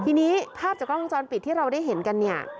ทีนี้ภาพจากกล้องวงจรปิดที่เราได้เห็นกันเนี่ย